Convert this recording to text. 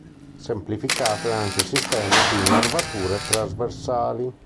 Semplificato è anche il sistema di nervature trasversali.